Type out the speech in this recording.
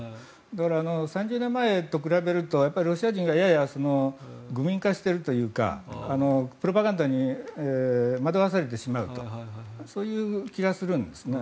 だから３０年前と比べるとロシア人がやや愚民化しているというかプロパガンダに惑わされてしまうとそういう気がするんですね。